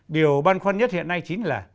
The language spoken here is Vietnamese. điều băn khoăn nhất hiện nay chính là